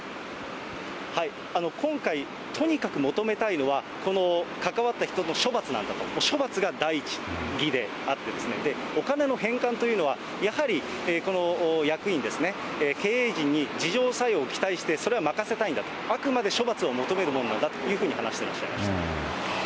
今回、とにかく求めたいのは、この関わった人の処罰なんだと、処罰が第一義であって、お金の返還というのは、やはりこの役員ですね、経営陣に自浄作用を期待して、それは任せたいんだと、あくまで処罰を求めるものだというふうに話していました。